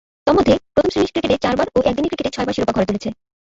তন্মধ্যে, প্রথম-শ্রেণীর ক্রিকেটে চারবার ও একদিনের ক্রিকেটে ছয়বার শিরোপা ঘরে তুলেছে।